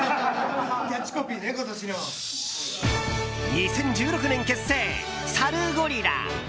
２０１６年結成、サルゴリラ。